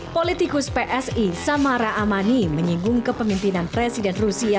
politikus psi samara amani menyinggung kepemimpinan presiden rusia